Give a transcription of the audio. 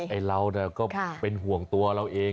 ไอ้เราก็เป็นห่วงตัวเราเอง